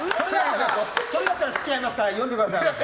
それだったら付き合いますから呼んでください。